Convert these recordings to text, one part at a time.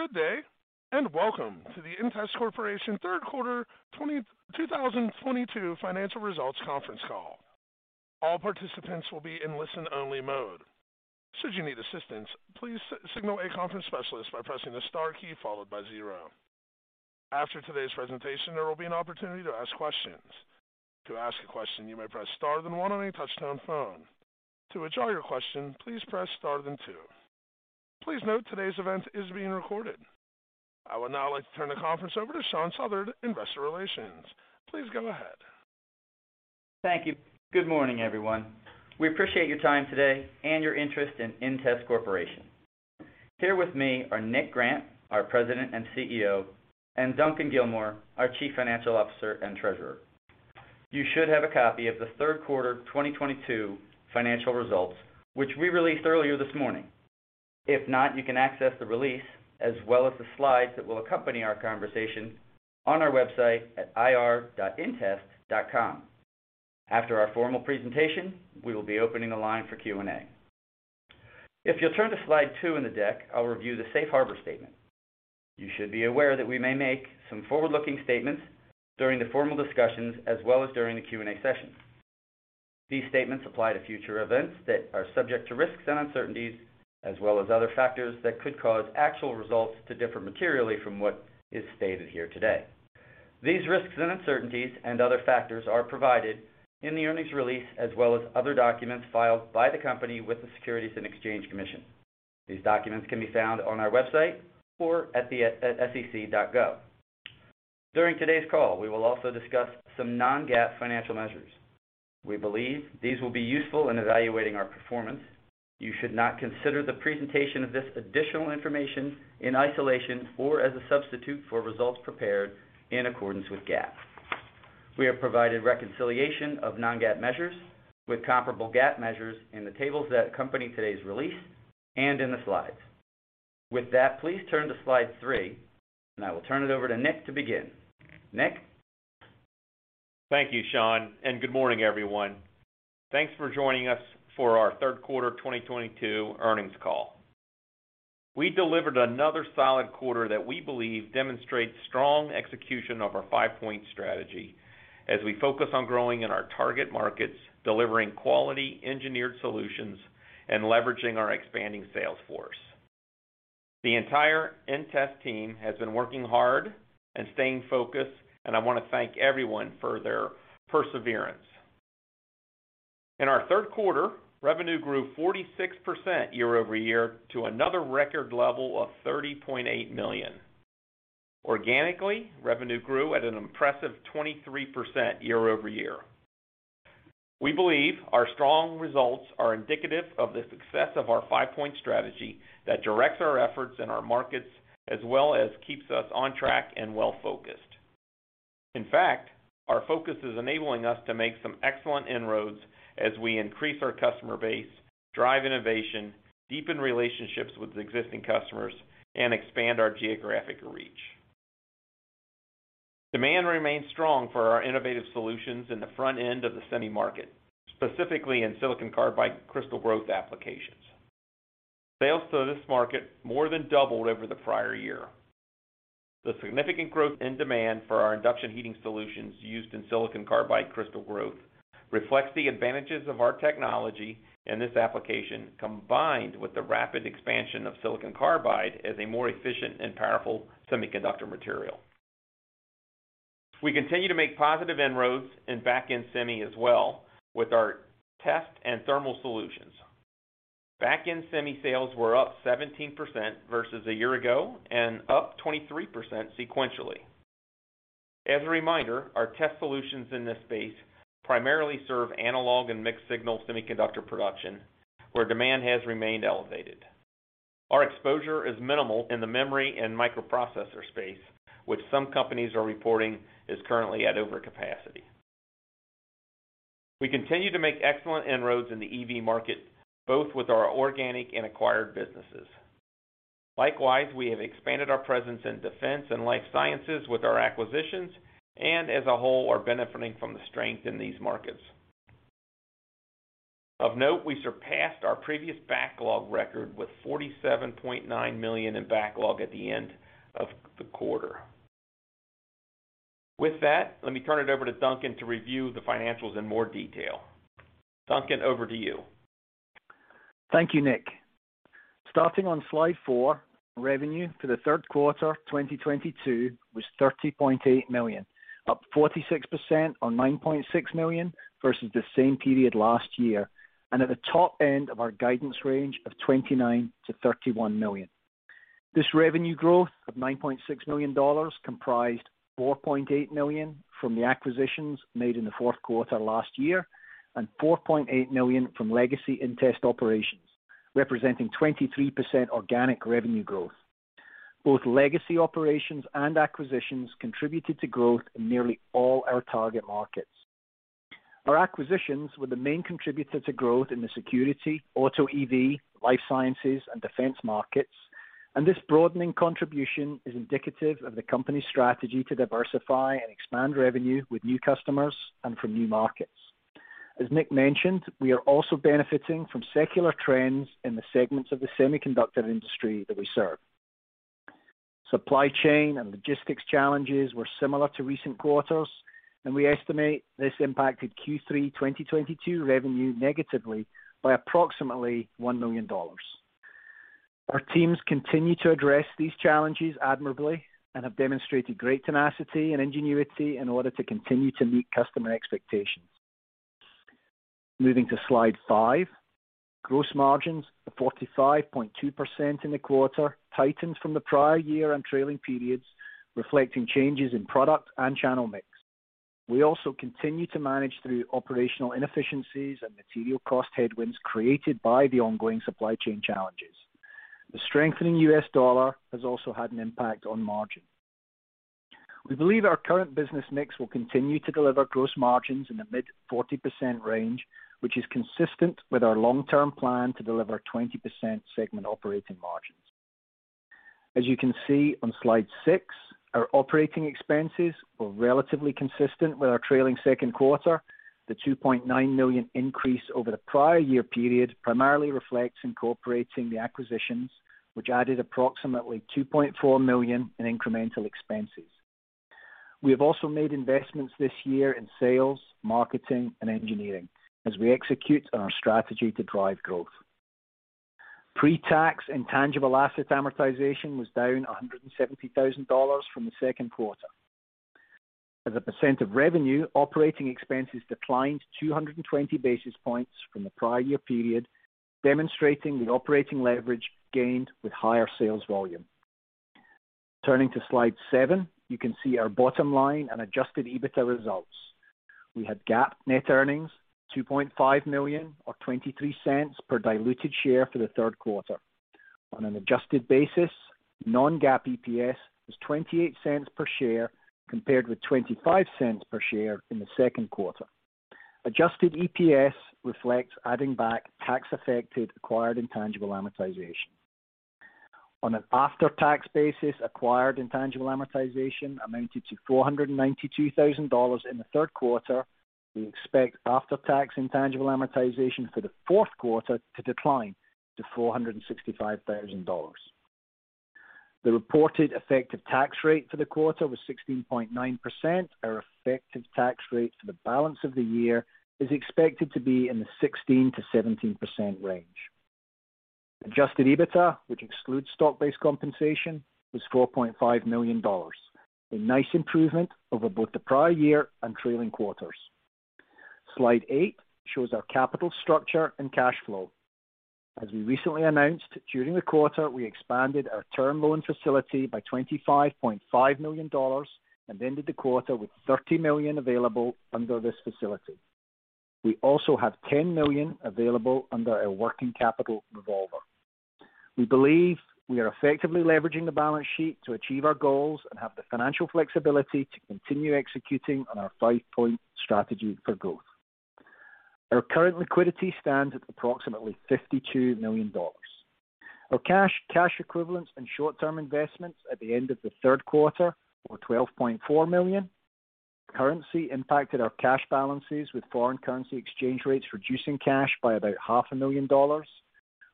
Good day, and welcome to the inTEST Corporation third quarter 2022 financial results conference call. All participants will be in listen-only mode. Should you need assistance, please signal a conference specialist by pressing the star key followed by zero. After today's presentation, there will be an opportunity to ask questions. To ask a question, you may press star then one on a touchtone phone. To withdraw your question, please press star then two. Please note today's event is being recorded. I would now like to turn the conference over to Shawn Southard, Investor Relations. Please go ahead. Thank you. Good morning, everyone. We appreciate your time today and your interest in inTEST Corporation. Here with me are Nick Grant, our President and CEO, and Duncan Gilmour, our Chief Financial Officer and Treasurer. You should have a copy of the third quarter 2022 financial results, which we released earlier this morning. If not, you can access the release as well as the slides that will accompany our conversation on our website at ir.intest.com. After our formal presentation, we will be opening the line for Q&A. If you'll turn to slide two in the deck, I'll review the safe harbor statement. You should be aware that we may make some forward-looking statements during the formal discussions as well as during the Q&A session. These statements apply to future events that are subject to risks and uncertainties, as well as other factors that could cause actual results to differ materially from what is stated here today. These risks and uncertainties and other factors are provided in the earnings release, as well as other documents filed by the company with the Securities and Exchange Commission. These documents can be found on our website or at sec.gov. During today's call, we will also discuss some non-GAAP financial measures. We believe these will be useful in evaluating our performance. You should not consider the presentation of this additional information in isolation or as a substitute for results prepared in accordance with GAAP. We have provided reconciliation of non-GAAP measures with comparable GAAP measures in the tables that accompany today's release and in the slides. With that, please turn to slide three, and I will turn it over to Nick to begin. Nick. Thank you, Sean, and good morning, everyone. Thanks for joining us for our third quarter 2022 earnings call. We delivered another solid quarter that we believe demonstrates strong execution of our 5-Point Strategy as we focus on growing in our target markets, delivering quality engineered solutions, and leveraging our expanding sales force. The entire inTEST team has been working hard and staying focused, and I wanna thank everyone for their perseverance. In our third quarter, revenue grew 46% year-over-year to another record level of $30.8 million. Organically, revenue grew at an impressive 23% year-over-year. We believe our strong results are indicative of the success of our 5-Point Strategy that directs our efforts in our markets as well as keeps us on track and well-focused. In fact, our focus is enabling us to make some excellent inroads as we increase our customer base, drive innovation, deepen relationships with existing customers, and expand our geographic reach. Demand remains strong for our innovative solutions in the front end of the semi market, specifically in silicon carbide crystal growth applications. Sales to this market more than doubled over the prior year. The significant growth and demand for our induction heating solutions used in silicon carbide crystal growth reflects the advantages of our technology in this application, combined with the rapid expansion of silicon carbide as a more efficient and powerful semiconductor material. We continue to make positive inroads in back-end semi as well with our test and thermal solutions. Back-end semi sales were up 17% versus a year ago and up 23% sequentially. As a reminder, our test solutions in this space primarily serve analog and mixed signal semiconductor production, where demand has remained elevated. Our exposure is minimal in the memory and microprocessor space, which some companies are reporting is currently at overcapacity. We continue to make excellent inroads in the EV market, both with our organic and acquired businesses. Likewise, we have expanded our presence in defense and life sciences with our acquisitions, and as a whole, are benefiting from the strength in these markets. Of note, we surpassed our previous backlog record with $47.9 million in backlog at the end of the quarter. With that, let me turn it over to Duncan to review the financials in more detail. Duncan, over to you. Thank you, Nick. Starting on slide four, revenue for the third quarter 2022 was $30.8 million, up 46% on $9.6 million versus the same period last year, and at the top end of our guidance range of $29 million-$31 million. This revenue growth of $9.6 million comprised $4.8 million from the acquisitions made in the fourth quarter last year, and $4.8 million from legacy inTEST operations, representing 23% organic revenue growth. Both legacy operations and acquisitions contributed to growth in nearly all our target markets. Our acquisitions were the main contributor to growth in the security, auto EV, life sciences, and defense markets, and this broadening contribution is indicative of the company's strategy to diversify and expand revenue with new customers and from new markets. As Nick mentioned, we are also benefiting from secular trends in the segments of the semiconductor industry that we serve. Supply chain and logistics challenges were similar to recent quarters, and we estimate this impacted Q3 2022 revenue negatively by approximately $1 million. Our teams continue to address these challenges admirably and have demonstrated great tenacity and ingenuity in order to continue to meet customer expectations. Moving to slide five. Gross margins of 45.2% in the quarter tightened from the prior year and trailing periods, reflecting changes in product and channel mix. We also continue to manage through operational inefficiencies and material cost headwinds created by the ongoing supply chain challenges. The strengthening U.S. dollar has also had an impact on margin. We believe our current business mix will continue to deliver gross margins in the mid-40% range, which is consistent with our long-term plan to deliver 20% segment operating margins. As you can see on slide six, our operating expenses were relatively consistent with our trailing second quarter. The $2.9 million increase over the prior year period primarily reflects incorporating the acquisitions, which added approximately $2.4 million in incremental expenses. We have also made investments this year in sales, marketing, and engineering as we execute on our strategy to drive growth. Pre-tax intangible asset amortization was down $170,000 from the second quarter. As a percent of revenue, operating expenses declined 200 basis points from the prior year period, demonstrating the operating leverage gained with higher sales volume. Turning to slide seven, you can see our bottom line and Adjusted EBITDA results. We had GAAP net earnings $2.5 million or $0.23 per diluted share for the third quarter. On an adjusted basis, non-GAAP EPS was $0.28 per share, compared with $0.25 per share in the second quarter. Adjusted EPS reflects adding back tax-affected acquired intangible amortization. On an after-tax basis, acquired intangible amortization amounted to $492,000 in the third quarter. We expect after-tax intangible amortization for the fourth quarter to decline to $465,000. The reported effective tax rate for the quarter was 16.9%. Our effective tax rate for the balance of the year is expected to be in the 16%-17% range. Adjusted EBITDA, which excludes stock-based compensation, was $4.5 million, a nice improvement over both the prior year and trailing quarters. Slide eight shows our capital structure and cash flow. As we recently announced, during the quarter, we expanded our term loan facility by $25.5 million and ended the quarter with $30 million available under this facility. We also have $10 million available under our working capital revolver. We believe we are effectively leveraging the balance sheet to achieve our goals and have the financial flexibility to continue executing on our 5-Point Strategy for growth. Our current liquidity stands at approximately $52 million. Our cash equivalents and short-term investments at the end of the third quarter were $12.4 million. Currency impacted our cash balances, with foreign currency exchange rates reducing cash by about $0.5 million.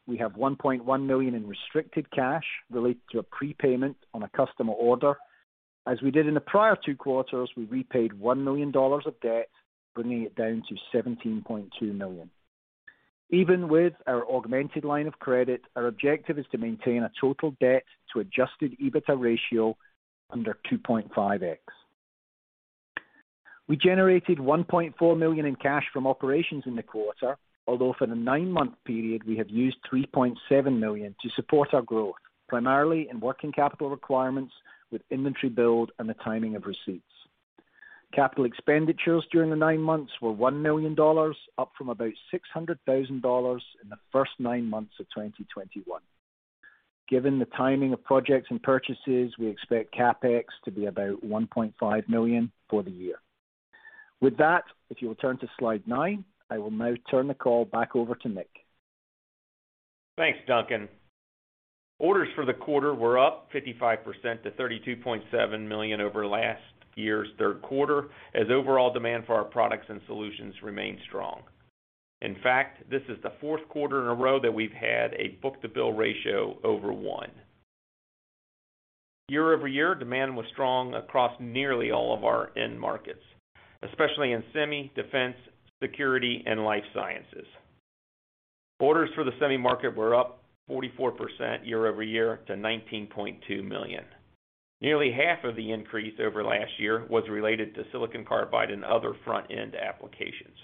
We have $1.1 million in restricted cash related to a prepayment on a customer order. As we did in the prior two quarters, we repaid $1 million of debt, bringing it down to $17.2 million. Even with our augmented line of credit, our objective is to maintain a total debt to Adjusted EBITDA ratio under 2.5x. We generated $1.4 million in cash from operations in the quarter, although for the nine-month period, we have used $3.7 million to support our growth, primarily in working capital requirements with inventory build and the timing of receipts. Capital expenditures during the nine months were $1 million, up from about $600,000 in the first nine months of 2021. Given the timing of projects and purchases, we expect CapEx to be about $1.5 million for the year. With that, if you'll turn to slide nine, I will now turn the call back over to Nick. Thanks, Duncan. Orders for the quarter were up 55% to $32.7 million over last year's third quarter, as overall demand for our products and solutions remained strong. In fact, this is the fourth quarter in a row that we've had a book-to-bill ratio over one. Year-over-year, demand was strong across nearly all of our end markets, especially in semi, defense, security and life sciences. Orders for the semi market were up 44% year-over-year to $19.2 million. Nearly half of the increase over last year was related to silicon carbide and other front-end applications.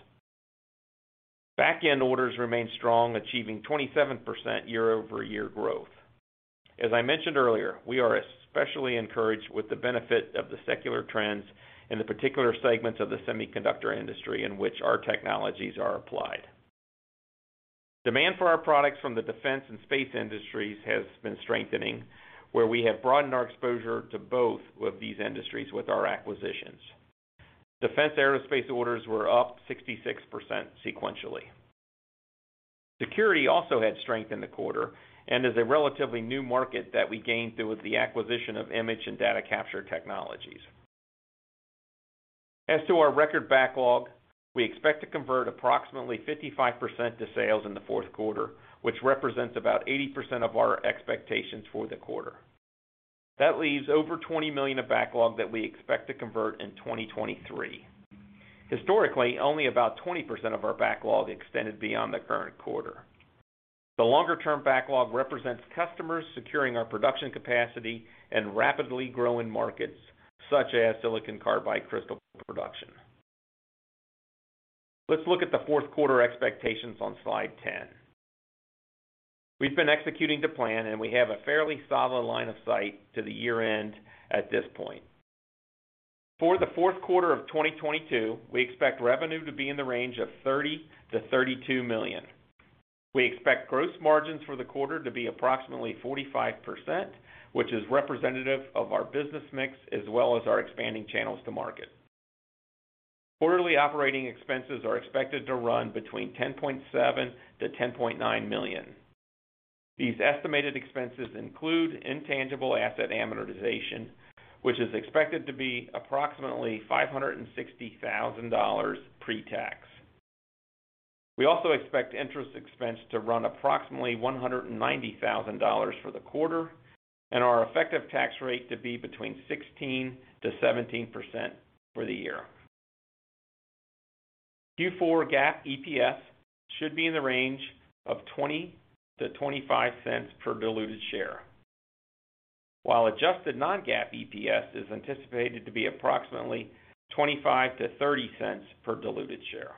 Back-end orders remained strong, achieving 27% year-over-year growth. As I mentioned earlier, we are especially encouraged with the benefit of the secular trends in the particular segments of the semiconductor industry in which our technologies are applied. Demand for our products from the defense and space industries has been strengthening, where we have broadened our exposure to both of these industries with our acquisitions. Defense aerospace orders were up 66% sequentially. Security also had strength in the quarter and is a relatively new market that we gained through the acquisition of image and data capture technologies. As to our record backlog, we expect to convert approximately 55% to sales in the fourth quarter, which represents about 80% of our expectations for the quarter. That leaves over $20 million of backlog that we expect to convert in 2023. Historically, only about 20% of our backlog extended beyond the current quarter. The longer-term backlog represents customers securing our production capacity in rapidly growing markets such as silicon carbide crystal production. Let's look at the fourth quarter expectations on slide 10. We've been executing the plan, and we have a fairly solid line of sight to the year-end at this point. For the fourth quarter of 2022, we expect revenue to be in the range of $30 million-$32 million. We expect gross margins for the quarter to be approximately 45%, which is representative of our business mix as well as our expanding channels to market. Quarterly operating expenses are expected to run between $10.7 million-$10.9 million. These estimated expenses include intangible asset amortization, which is expected to be approximately $560,000 pre-tax. We also expect interest expense to run approximately $190,000 for the quarter and our effective tax rate to be between 16%-17% for the year. Q4 GAAP EPS should be in the range of $0.20-$0.25 per diluted share. Adjusted non-GAAP EPS is anticipated to be approximately $0.25-$0.30 per diluted share.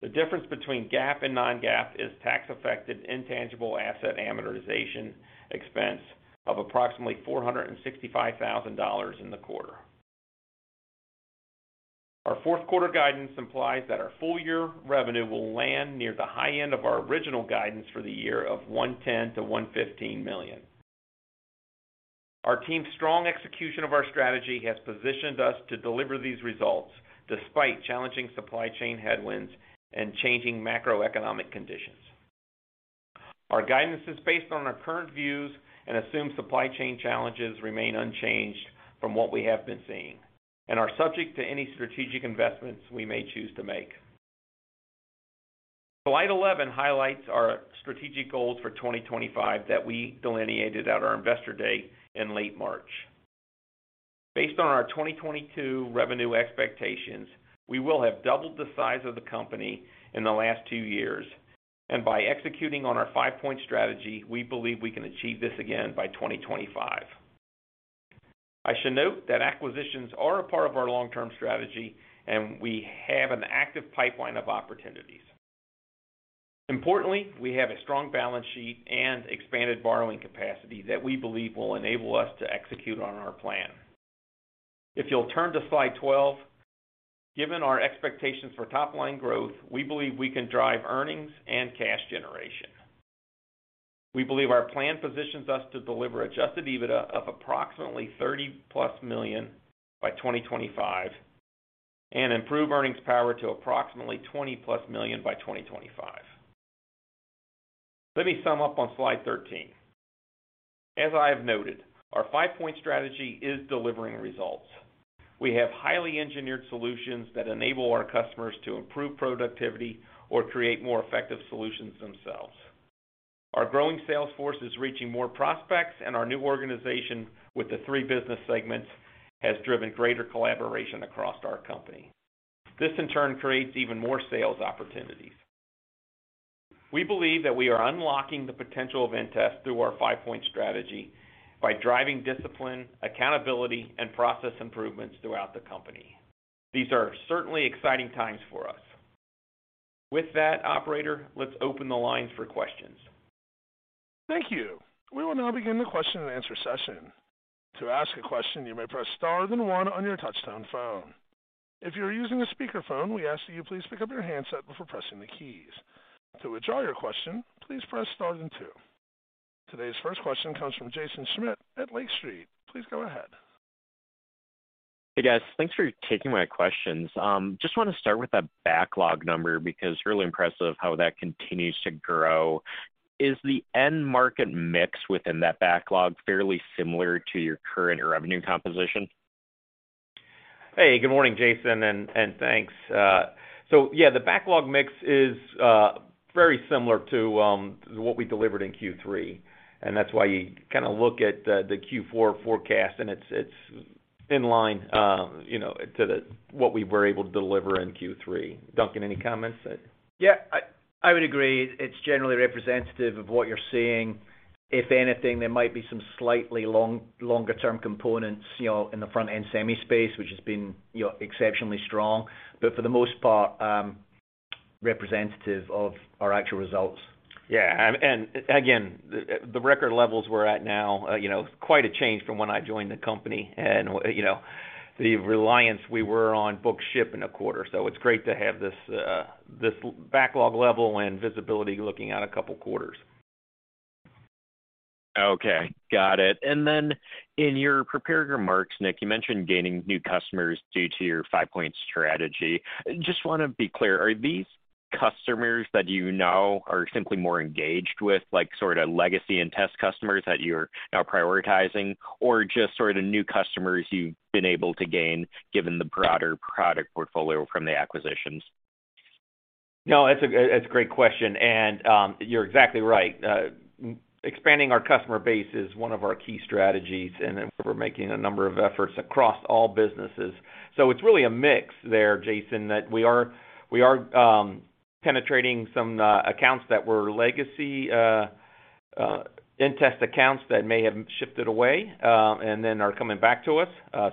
The difference between GAAP and non-GAAP is tax-affected intangible asset amortization expense of approximately $465,000 in the quarter. Our fourth quarter guidance implies that our full-year revenue will land near the high end of our original guidance for the year of $110 million-$115 million. Our team's strong execution of our strategy has positioned us to deliver these results despite challenging supply chain headwinds and changing macroeconomic conditions. Our guidance is based on our current views and assume supply chain challenges remain unchanged from what we have been seeing and are subject to any strategic investments we may choose to make. Slide 11 highlights our strategic goals for 2025 that we delineated at our investor day in late March. Based on our 2022 revenue expectations, we will have doubled the size of the company in the last two years. By executing on our 5-Point Strategy, we believe we can achieve this again by 2025. I should note that acquisitions are a part of our long-term strategy, and we have an active pipeline of opportunities. Importantly, we have a strong balance sheet and expanded borrowing capacity that we believe will enable us to execute on our plan. If you'll turn to slide 12, given our expectations for top-line growth, we believe we can drive earnings and cash generation. We believe our plan positions us to deliver Adjusted EBITDA of approximately $30+ million by 2025 and improve earnings power to approximately $20+ million by 2025. Let me sum up on slide 13. As I have noted, our 5-Point Strategy is delivering results. We have highly engineered solutions that enable our customers to improve productivity or create more effective solutions themselves. Our growing sales force is reaching more prospects, and our new organization with the three business segments has driven greater collaboration across our company. This, in turn, creates even more sales opportunities. We believe that we are unlocking the potential of inTEST through our 5-Point Strategy by driving discipline, accountability, and process improvements throughout the company. These are certainly exciting times for us. With that, operator, let's open the lines for questions. Thank you. We will now begin the question and answer session. To ask a question, you may press star then one on your touchtone phone. If you are using a speakerphone, we ask that you please pick up your handset before pressing the keys. To withdraw your question, please press star then two. Today's first question comes from Jaeson Schmidt at Lake Street. Please go ahead. Hey, guys. Thanks for taking my questions. Just wanna start with that backlog number because really impressive how that continues to grow. Is the end market mix within that backlog fairly similar to your current revenue composition? Hey, good morning, Jaeson, and thanks. So yeah, the backlog mix is very similar to what we delivered in Q3, and that's why you kinda look at the Q4 forecast and it's in line, you know, to the what we were able to deliver in Q3. Duncan, any comments? Yeah, I would agree. It's generally representative of what you're seeing. If anything, there might be some slightly longer term components, you know, in the front-end semi space, which has been, you know, exceptionally strong, but for the most part, representative of our actual results. Yeah, again, the record levels we're at now, you know, quite a change from when I joined the company and, you know, the reliance we were on book-to-bill in a quarter. It's great to have this backlog level and visibility looking out a couple quarters. Okay, got it. In your prepared remarks, Nick, you mentioned gaining new customers due to your 5-Point Strategy. Just wanna be clear, are these customers that you now are simply more engaged with, like sort of legacy inTEST customers that you're now prioritizing or just sort of new customers you've been able to gain given the broader product portfolio from the acquisitions? No, that's a great question, and you're exactly right. Expanding our customer base is one of our key strategies, and then we're making a number of efforts across all businesses. It's really a mix there, Jaeson, that we are penetrating some accounts that were legacy inTEST accounts that may have shifted away and then are coming back to us.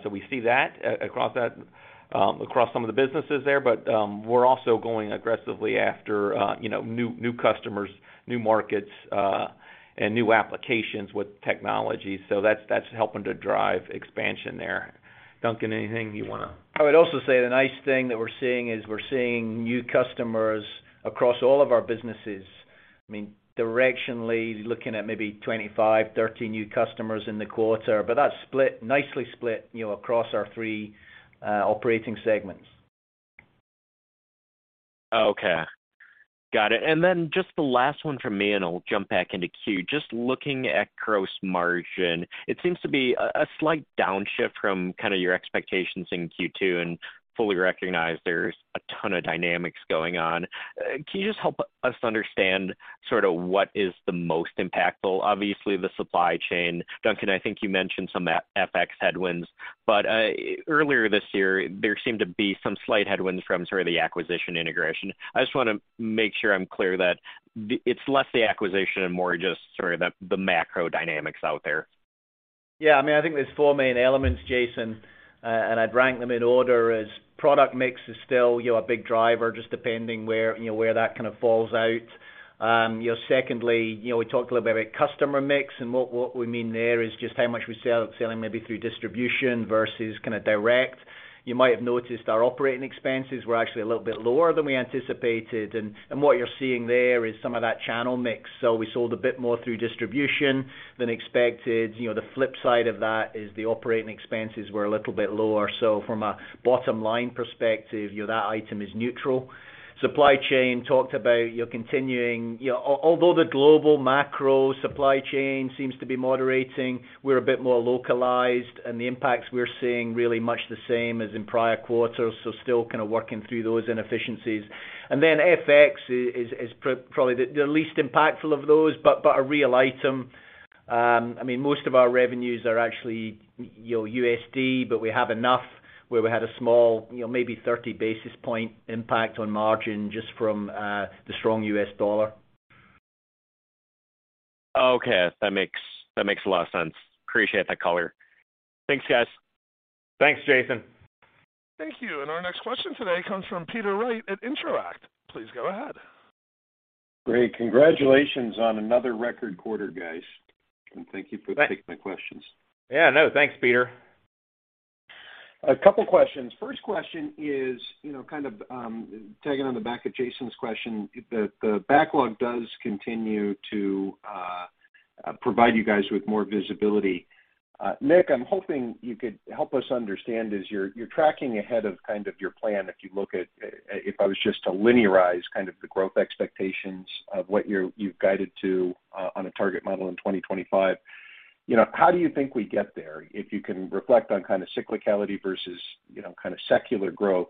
We see that across some of the businesses there. We're also going aggressively after you know new customers, new markets, and new applications with technology. That's helping to drive expansion there. Duncan, anything you wanna- I would also say the nice thing that we're seeing is we're seeing new customers across all of our businesses. I mean, directionally, looking at maybe 25, 30 new customers in the quarter, but that's split, nicely split, you know, across our three operating segments. Okay. Got it. Then just the last one from me, and I'll jump back into queue. Just looking at gross margin, it seems to be a slight downshift from kinda your expectations in Q2, and fully recognize there's a ton of dynamics going on. Can you just help us understand sorta what is the most impactful? Obviously, the supply chain. Duncan, I think you mentioned some FX headwinds. Earlier this year, there seemed to be some slight headwinds from sort of the acquisition integration. I just wanna make sure I'm clear that it's less the acquisition and more just sort of the macro dynamics out there. Yeah. I mean, I think there's four main elements, Jaeson, and I'd rank them in order as product mix is still, you know, a big driver, just depending where, you know, where that kind of falls out. You know, secondly, you know, we talked a little bit about customer mix, and what we mean there is just how much we sell, selling maybe through distribution versus kinda direct. You might have noticed our operating expenses were actually a little bit lower than we anticipated. What you're seeing there is some of that channel mix. We sold a bit more through distribution than expected. You know, the flip side of that is the operating expenses were a little bit lower. From a bottom line perspective, you know, that item is neutral. Supply chain, talked about, you know, continuing. You know, although the global macro supply chain seems to be moderating, we're a bit more localized, and the impacts we're seeing really much the same as in prior quarters, so still kinda working through those inefficiencies. FX is probably the least impactful of those, but a real item. I mean, most of our revenues are actually, you know, USD, but we have enough where we had a small, you know, maybe 30 basis point impact on margin just from the strong U.S. dollar. Okay. That makes a lot of sense. Appreciate that color. Thanks, guys. Thanks, Jaeson. Thank you. Our next question today comes from Peter Wright at Intro-act. Please go ahead. Great. Congratulations on another record quarter, guys. Thank you for taking my questions. Yeah, no. Thanks, Peter. A couple questions. First question is, you know, kind of, tagging on the back of Jaeson's question. The backlog does continue to provide you guys with more visibility. Nick, I'm hoping you could help us understand if you're tracking ahead of kind of your plan if you look at, if I was just to linearize kind of the growth expectations of what you've guided to, on a target model in 2025. You know, how do you think we get there? If you can reflect on kinda cyclicality versus, you know, kinda secular growth.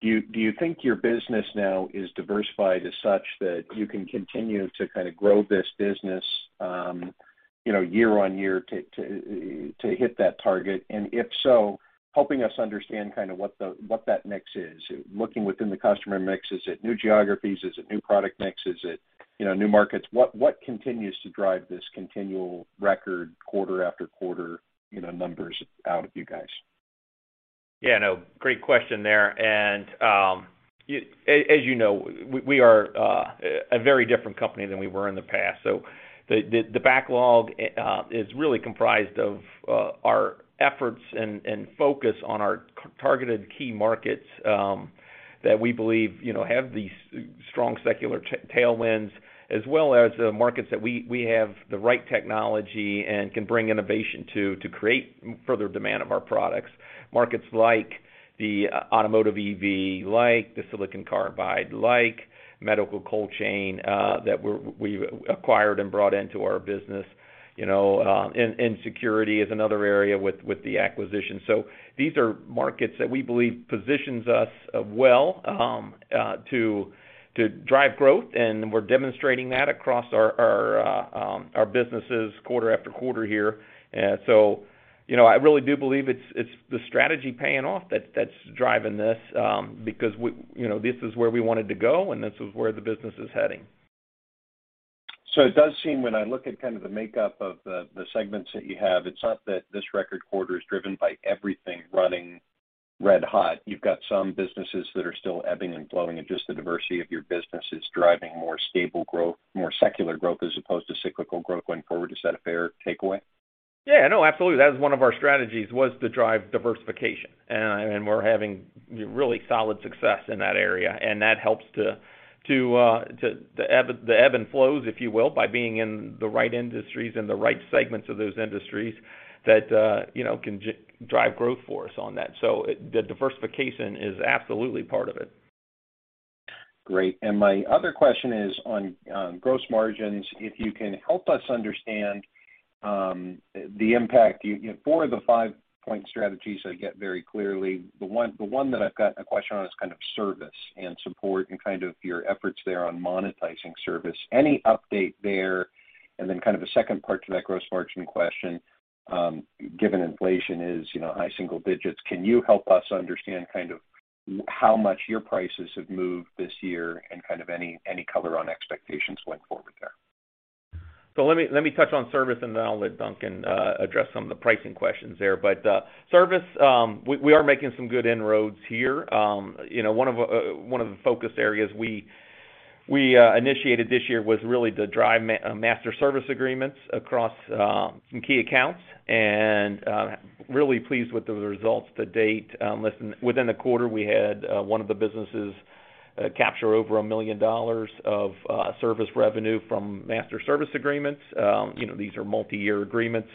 Do you think your business now is diversified as such that you can continue to kinda grow this business, you know, year on year to hit that target? If so, helping us understand kind of what that mix is. Looking within the customer mix, is it new geographies? Is it new product mix? Is it, you know, new markets? What continues to drive this continual record quarter after quarter, you know, numbers out of you guys? Yeah, no. Great question there. As you know, we are a very different company than we were in the past. The backlog is really comprised of our efforts and focus on our targeted key markets that we believe, you know, have these strong secular tailwinds as well as the markets that we have the right technology and can bring innovation to create further demand of our products. Markets like the automotive EV, like the silicon carbide, like medical cold chain that we acquired and brought into our business. You know, and security is another area with the acquisition. These are markets that we believe positions us well to drive growth, and we're demonstrating that across our businesses quarter after quarter here. You know, I really do believe it's the strategy paying off that's driving this, because we, you know, this is where we wanted to go, and this is where the business is heading. It does seem, when I look at kind of the makeup of the segments that you have, it's not that this record quarter is driven by everything running red hot. You've got some businesses that are still ebbing and flowing, and just the diversity of your business is driving more stable growth, more secular growth as opposed to cyclical growth going forward. Is that a fair takeaway? Yeah, no, absolutely. That was one of our strategies to drive diversification. We're having really solid success in that area, and that helps to the ebb and flow, if you will, by being in the right industries and the right segments of those industries that, you know, can drive growth for us on that. The diversification is absolutely part of it. Great. My other question is on gross margins, if you can help us understand the impact. You know, four of the 5-Point Strategies I get very clearly. The one that I've got a question on is kind of service and support and kind of your efforts there on monetizing service. Any update there? Then kind of a second part to that gross margin question, given inflation is, you know, high single digits, can you help us understand kind of how much your prices have moved this year and kind of any color on expectations going forward there? Let me touch on service, and then I'll let Duncan address some of the pricing questions there. Service, we are making some good inroads here. You know, one of the focus areas we initiated this year was really to drive master service agreements across some key accounts, and really pleased with the results to date. Within the quarter, we had one of the businesses capture over $1 million of service revenue from master service agreements. You know, these are multi-year agreements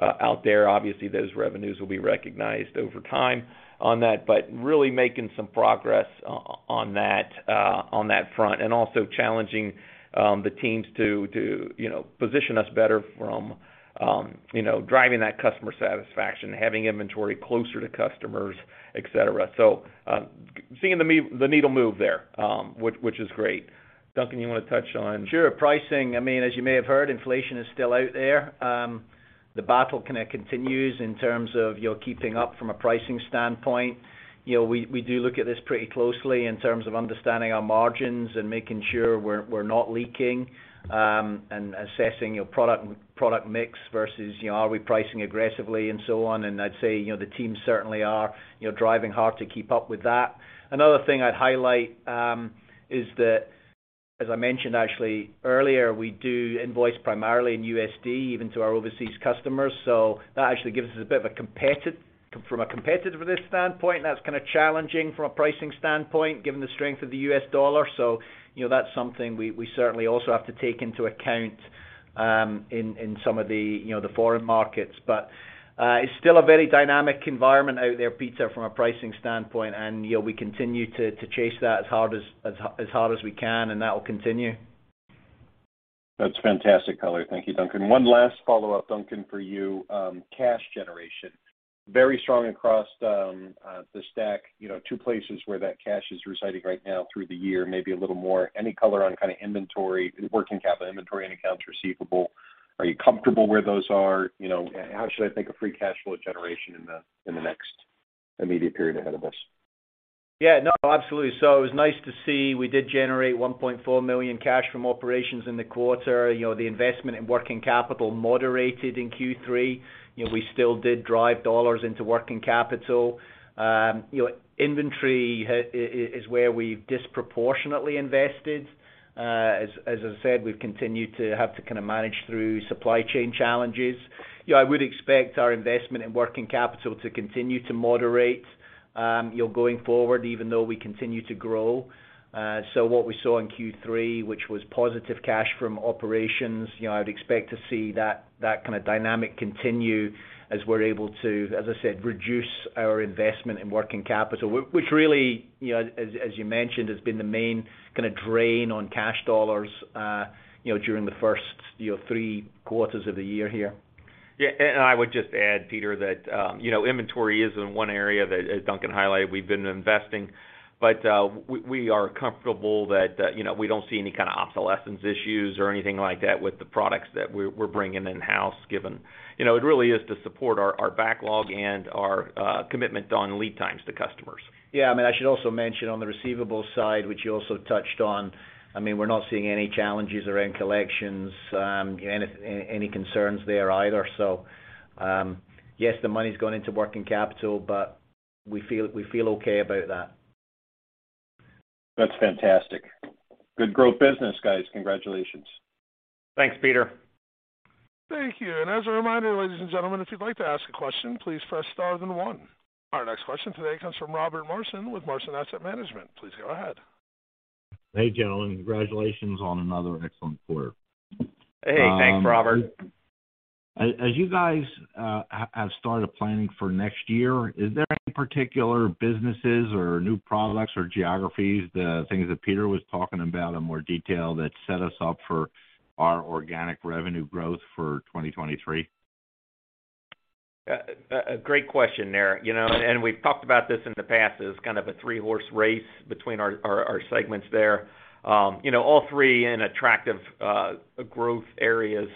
out there. Obviously, those revenues will be recognized over time on that, but really making some progress on that front, and also challenging the teams to you know position us better from you know driving that customer satisfaction, having inventory closer to customers, et cetera. Seeing the needle move there, which is great. Duncan, you wanna touch on? Sure. Pricing, I mean, as you may have heard, inflation is still out there. The battle kind of continues in terms of, you know, keeping up from a pricing standpoint. You know, we do look at this pretty closely in terms of understanding our margins and making sure we're not leaking, and assessing, you know, product mix versus, you know, are we pricing aggressively and so on. I'd say, you know, the teams certainly are, you know, driving hard to keep up with that. Another thing I'd highlight is that, as I mentioned actually earlier, we do invoice primarily in USD, even to our overseas customers. That actually gives us a bit of a competitive, from a competitiveness standpoint, and that's kind of challenging from a pricing standpoint, given the strength of the U.S. dollar. You know, that's something we certainly also have to take into account in some of the, you know, the foreign markets. It's still a very dynamic environment out there, Peter, from a pricing standpoint, and, you know, we continue to chase that as hard as we can, and that will continue. That's fantastic color. Thank you, Duncan. One last follow-up, Duncan, for you. Cash generation, very strong across the stack. You know, two places where that cash is residing right now through the year, maybe a little more. Any color on kind of inventory, working capital inventory and accounts receivable? Are you comfortable where those are? You know, how should I think of free cash flow generation in the next immediate period ahead of us? Yeah, no, absolutely. It was nice to see we did generate $1.4 million cash from operations in the quarter. You know, the investment in working capital moderated in Q3. You know, we still did drive dollars into working capital. You know, inventory is where we've disproportionately invested. As I said, we've continued to have to kind of manage through supply chain challenges. You know, I would expect our investment in working capital to continue to moderate, you know, going forward, even though we continue to grow. What we saw in Q3, which was positive cash from operations, you know, I'd expect to see that kind of dynamic continue as we're able to, as I said, reduce our investment in working capital, which really, you know, as you mentioned, has been the main kind of drain on cash dollars, you know, during the first three quarters of the year here. Yeah, I would just add, Peter, that you know, inventory is in one area that, as Duncan highlighted, we've been investing. We are comfortable that you know, we don't see any kind of obsolescence issues or anything like that with the products that we're bringing in-house given. You know, it really is to support our backlog and our commitment on lead times to customers. Yeah, I mean, I should also mention on the receivables side, which you also touched on. I mean, we're not seeing any challenges around collections, any concerns there either. Yes, the money's going into working capital, but we feel okay about that. That's fantastic. Good growth business, guys. Congratulations. Thanks, Peter. Thank you. As a reminder, ladies and gentlemen, if you'd like to ask a question, please press star then one. Our next question today comes from Robert Marson with Marson Asset Management. Please go ahead. Hey, gentlemen. Congratulations on another excellent quarter. Hey, thanks, Robert. As you guys have started planning for next year, is there any particular businesses or new products or geographies, the things that Peter was talking about in more detail, that set us up for our organic revenue growth for 2023? Great question there. You know, we've talked about this in the past as kind of a three-horse race between our segments there. You know, all three in attractive growth areas,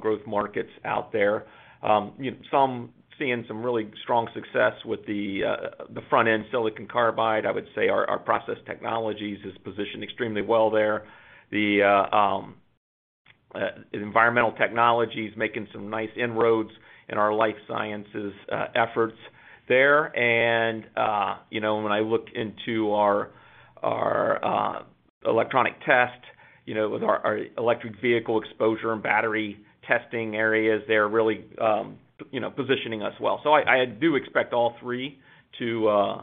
growth markets out there. You know, some seeing some really strong success with the front-end silicon carbide. I would say our process technologies is positioned extremely well there. The environmental technologies making some nice inroads in our life sciences efforts there. You know, when I look into our electronic test. You know, with our electric vehicle exposure and battery testing areas, they're really positioning us well. I do expect all three to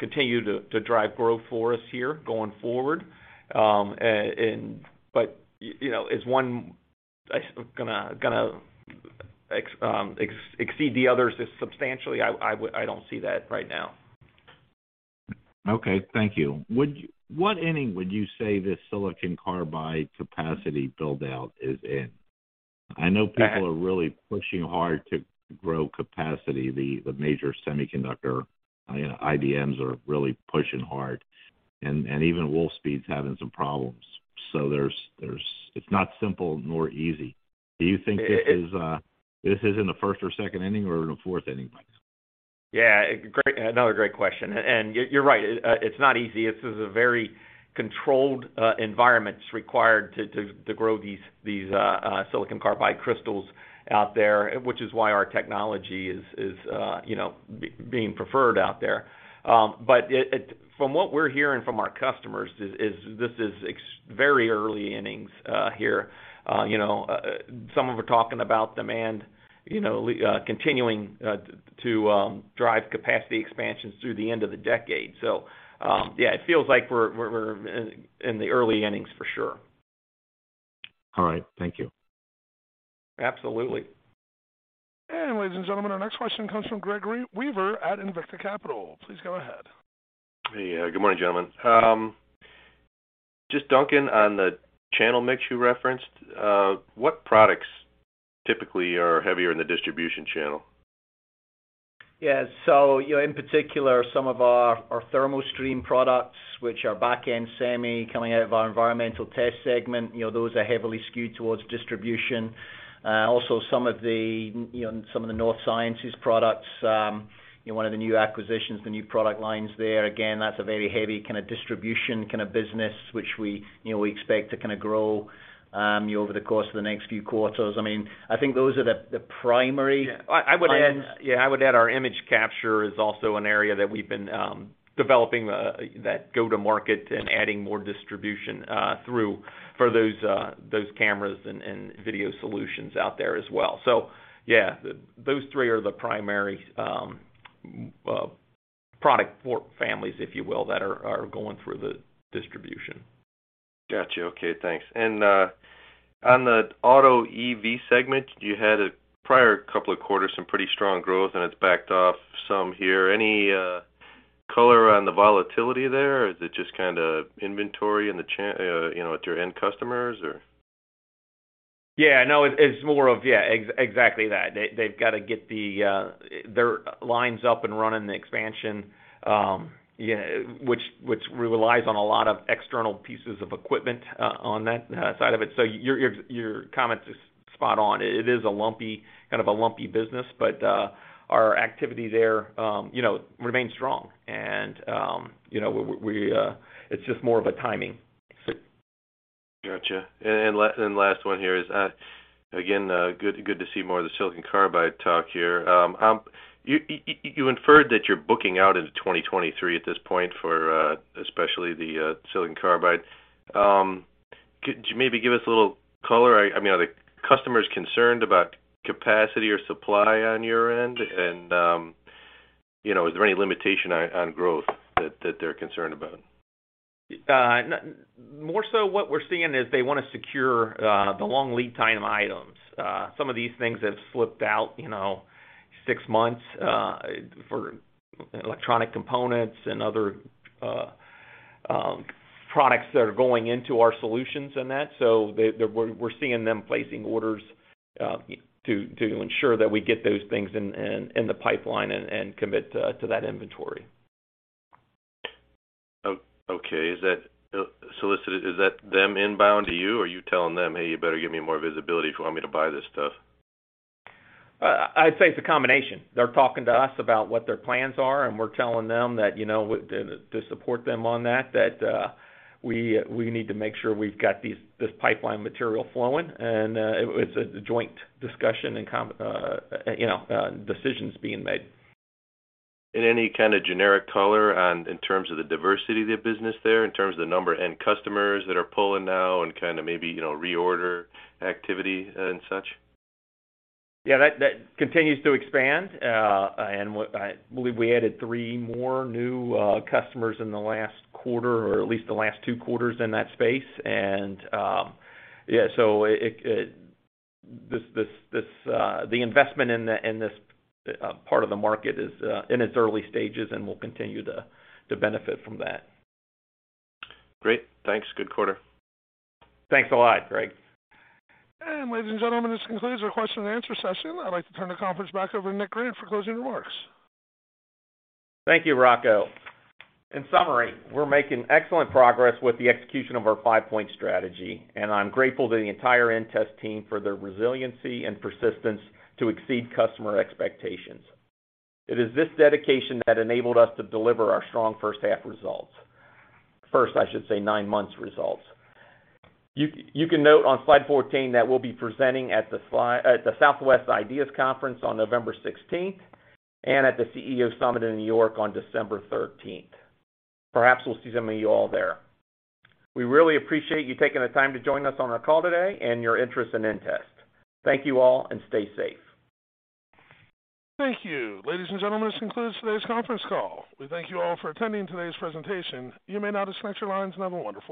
continue to drive growth for us here going forward. you know, is one gonna exceed the others substantially? I would. I don't see that right now. Okay, thank you. What inning would you say this silicon carbide capacity build-out is in? I know people are really pushing hard to grow capacity. The major semiconductor, you know, IDMs are really pushing hard, and even Wolfspeed's having some problems. So, there's. It's not simple nor easy. Do you think this is in the first or second inning or in the fourth inning? Yeah, great. Another great question. You're right, it's not easy. It's a very controlled environment required to grow these silicon carbide crystals out there, which is why our technology is, you know, being preferred out there. From what we're hearing from our customers is this is very early innings here. You know, some of them are talking about demand, you know, continuing to drive capacity expansions through the end of the decade. Yeah, it feels like we're in the early innings for sure. All right, thank you. Absolutely. Ladies and gentlemen, our next question comes from Gregory Weaver at Invicta Capital. Please go ahead. Hey. Good morning, gentlemen. Just Duncan, on the channel mix you referenced, what products typically are heavier in the distribution channel? Yeah. You know, in particular, some of our ThermoStream products, which are back-end semi coming out of our environmental test segment, you know, those are heavily skewed towards distribution. Also, some of the North Sciences products, you know, one of the new acquisitions, the new product lines there. Again, that's a very heavy kind of distribution kind of business, which we expect to kinda grow, you know, over the course of the next few quarters. I mean, I think those are the primary- Yeah. I would add our image capture is also an area that we've been developing that go to market and adding more distribution through for those cameras and video solutions out there as well. Yeah, those three are the primary product families, if you will, that are going through the distribution. Got you. Okay, thanks. On the auto EV segment, you had a prior couple of quarters, some pretty strong growth, and it's backed off some here. Any color on the volatility there, or is it just kinda inventory, you know, at your end customers or? Yeah, no, it's more of. Yeah, exactly that. They've gotta get their lines up and running the expansion, you know, which relies on a lot of external pieces of equipment, on that side of it. So your comment is spot on. It is a lumpy, kind of a lumpy business, but our activity there, you know, remains strong. You know, it's just more of a timing. Gotcha. Last one here is, again, good to see more of the silicon carbide talk here. You inferred that you're booking out into 2023 at this point for, especially the, silicon carbide. Could you maybe give us a little color? I mean, are the customers concerned about capacity or supply on your end? You know, is there any limitation on growth that they're concerned about? More so what we're seeing is they wanna secure the long lead time items. Some of these things have slipped out, you know, six months for electronic components and other products that are going into our solutions and that. We're seeing them placing orders to ensure that we get those things in the pipeline and commit to that inventory. Okay. Is that solicited? Is that them inbound to you or are you telling them, "Hey, you better give me more visibility if you want me to buy this stuff"? I'd say it's a combination. They're talking to us about what their plans are, and we're telling them that, you know, to support them on that we need to make sure we've got this pipeline material flowing. It's a joint discussion and you know, decisions being made. Any kinda generic color on, in terms of the diversity of the business there, in terms of the number of end customers that are pulling now and kinda maybe, you know, reorder activity, and such? Yeah, that continues to expand. What I believe we added three more new customers in the last quarter or at least the last two quarters in that space. Yeah, so it this the investment in this part of the market is in its early stages, and we'll continue to benefit from that. Great. Thanks. Good quarter. Thanks a lot, Greg. Ladies and gentlemen, this concludes our question and answer session. I'd like to turn the conference back over to Nick Grant for closing remarks. Thank you, Rocco. In summary, we're making excellent progress with the execution of our 5-Point Strategy, and I'm grateful to the entire inTEST team for their resiliency and persistence to exceed customer expectations. It is this dedication that enabled us to deliver our strong first half results. First, I should say, nine months results. You can note on slide 14 that we'll be presenting at the Southwest IDEAS Conference on November 16th and at the CEO Summit in New York on December 13th. Perhaps we'll see some of you all there. We really appreciate you taking the time to join us on our call today and your interest in inTEST. Thank you all and stay safe. Thank you. Ladies and gentlemen, this concludes today's conference call. We thank you all for attending today's presentation. You may now disconnect your lines and have a wonderful day.